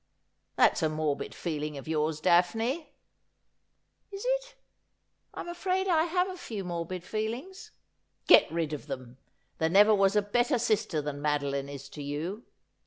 ' That's a morbid feeling of yours. Daphne.' ' Is it ? I'm afraid I have a few morbid feelings.' ' Get rid of them. There never was a better sister than Madeline is to you.'